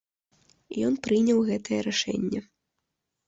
Ён прыняў гэтае рашэнне.